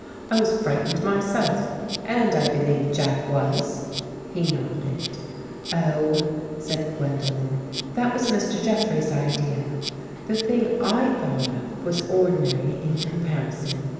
I was frightened myself and I believe Jack was." He nodded. " Oh," said Gwendolen, " that was Mr. Jeffrey's idea. The thing I thought of was ordinary in com parison.